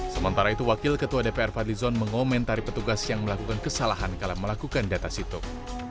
sementara itu wakil ketua dpr fadlizon mengomentari petugas yang melakukan kesalahan kalau melakukan data situk